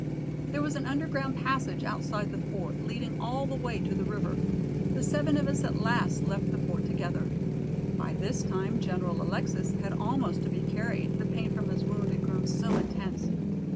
"There was an underground passage outside the fort, leading all the way to the river. The seven of us at last left the fort together. By this time General Alexis had almost to be carried, the pain from his wound had grown so intense.